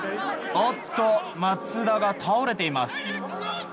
おっと、松田が倒れています。